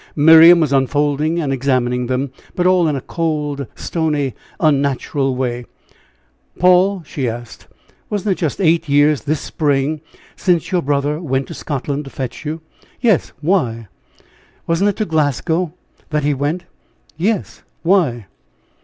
Miriam was unfolding and examining them; but all in a cold, stony, unnatural way. "Paul," she asked, "wasn't it just eight years this spring since your brother went to Scotland to fetch you?" "Yes; why?" "Wasn't it to Glasgow that he went?" "Yes; why?"